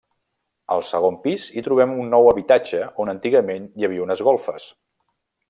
Al segon pis hi trobem un nou habitatge on antigament hi havia unes golfes.